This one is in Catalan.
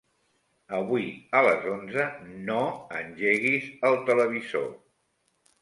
Avui a les onze no engeguis el televisor.